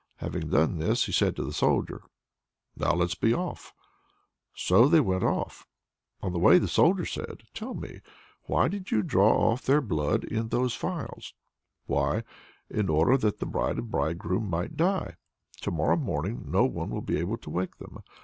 Having done this, he said to the Soldier: "Now let's be off." Well, they went off. On the way the Soldier said: "Tell me; why did you draw off their blood in those phials?" "Why, in order that the bride and bridegroom might die. To morrow morning no one will be able to wake them.